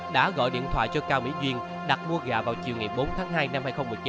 đã gọi điện thoại cho cao mỹ duyên đặt mua gà vào chiều ngày bốn tháng hai năm hai nghìn một mươi chín